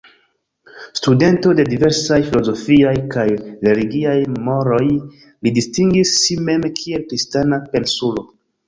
Studento de diversaj filozofiaj kaj religiaj moroj, li distingis si mem kiel Kristana pensulo.